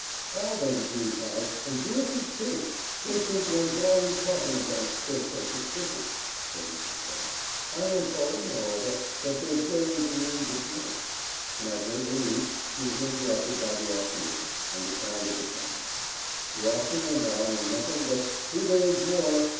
"All them Jews has, and Jewesses too; they think one's always talking of them, they're so suspicious," said Mrs. Coates. "I am told, moreover, that they've ways and means of hearing." To my great relief, she was interrupted by the auctioneer, and the sound of his hammer. The auction went on, and nothing but "Who bids more?